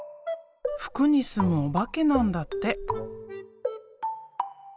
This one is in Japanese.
服に住むおばけなんだって。